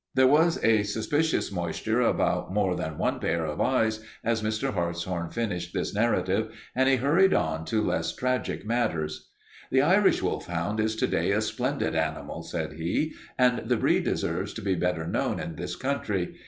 There was a suspicious moisture about more than one pair of eyes as Mr. Hartshorn finished this narrative, and he hurried on to less tragic matters. "The Irish wolfhound is to day a splendid animal," said he, "and the breed deserves to be better known in this country.